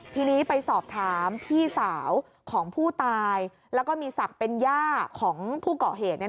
ทีนี้ไปสอบถามพี่สาวของผู้ตายแล้วก็มีศักดิ์เป็นย่าของผู้เกาะเหตุ